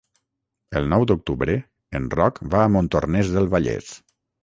El nou d'octubre en Roc va a Montornès del Vallès.